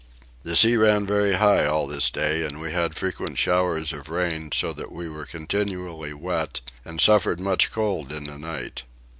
The sea ran very high all this day and we had frequent showers of rain so that we were continually wet and suffered much cold in the night.